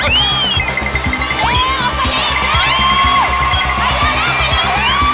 เอ้ยออกไปเร็ว